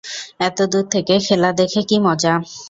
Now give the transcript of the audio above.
এতদূর থেকে খেলা দেখে কী মজা?